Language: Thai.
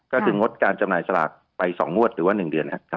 ก็คืองดการจำหน่ายสลากไป๒งวดหรือว่า๑เดือนครับ